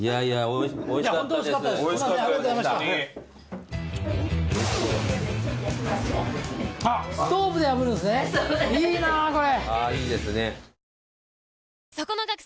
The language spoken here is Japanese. いいなこれ。